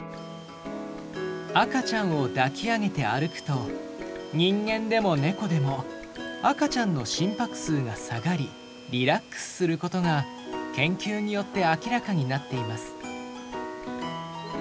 赤ちゃんを抱き上げて歩くと人間でも猫でも赤ちゃんの心拍数が下がりリラックスすることが研究によって明らかになっています。